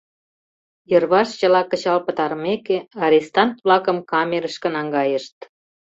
Йырваш чыла кычал пытарымеке, арестант-влакым камерышке наҥгайышт.